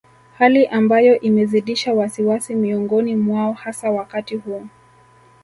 Hali ambayo imezidisha wasiwasi miongoni mwao hasa wakati huu